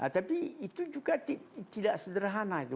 tapi itu juga tidak sederhana itu